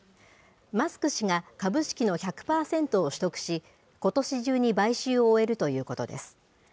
マスク氏が株式の１００％を取得し、ことし中に買収を終えるということです。